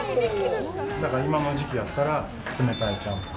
だから、今の時期やったら冷たいちゃんぽん。